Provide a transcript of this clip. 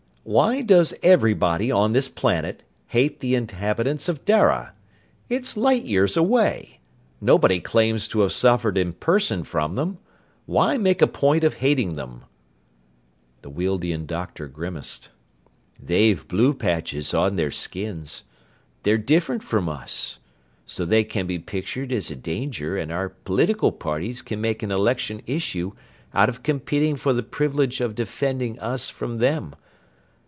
Why does everybody on this planet hate the inhabitants of Dara? It's light years away. Nobody claims to have suffered in person from them. Why make a point of hating them?" The Wealdian doctor grimaced. "They've blue patches on their skins. They're different from us. So they can be pictured as a danger and our political parties can make an election issue out of competing for the privilege of defending us from them.